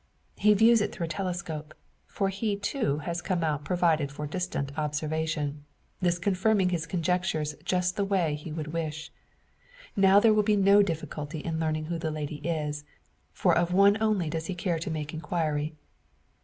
He views it through a telescope for he, too, has come out provided for distant observation this confirming his conjectures just in the way he would wish. Now there will be no difficulty in learning who the lady is for of one only does he care to make inquiry.